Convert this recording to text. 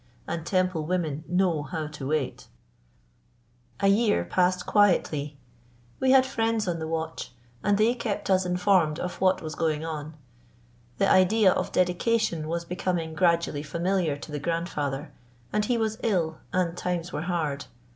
And Temple women know how to wait. [Illustration: THE DOHNAVUR COUNTRY IN FLOOD.] A year passed quietly. We had friends on the watch, and they kept us informed of what was going on. The idea of dedication was becoming gradually familiar to the grandfather, and he was ill and times were hard.